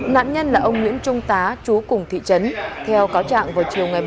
nạn nhân là ông nguyễn trung tá chú cùng thị trấn theo cáo trạng vào chiều ngày